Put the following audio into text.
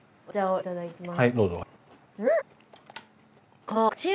いただきます。